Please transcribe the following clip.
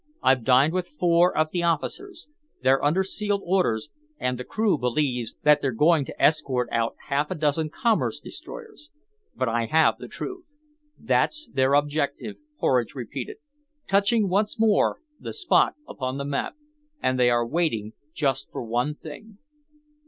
I've dined with four of the officers. They're under sealed orders, and the crew believes that they're going to escort out half a dozen commerce destroyers. But I have the truth. That's their objective," Horridge repeated, touching once more the spot upon the map, "and they are waiting just for one thing."